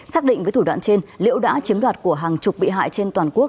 xác định với thủ đoạn trên liễu đã chiếm đoạt của hàng chục bị hại trên toàn quốc